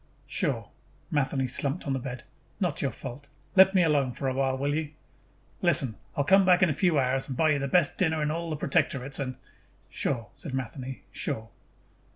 "Sure." Matheny slumped on the bed. "Not your fault. Let me alone for a while, will you?" "Listen, I will come back in a few hours and buy you the best dinner in all the Protectorates and " "Sure," said Matheny. "Sure."